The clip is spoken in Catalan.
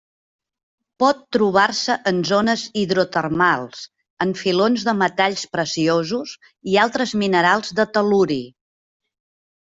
Pot trobar-se en zones hidrotermals, en filons de metalls preciosos i altres minerals del tel·luri.